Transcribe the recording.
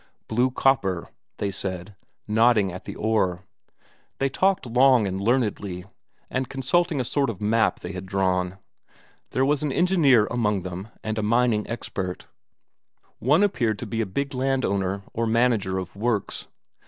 "Blue copper," they said, nodding at the ore. They talked long and learnedly, and consulting a sort of map they had drawn; there was an engineer among them, and a mining expert; one appeared to be a big landowner or manager of works.